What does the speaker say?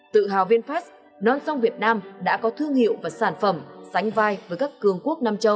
tự hào vinfast non song việt nam đã có thương hiệu và sản phẩm sánh vai với các cường quốc nam châu